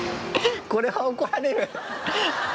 これは怒られる。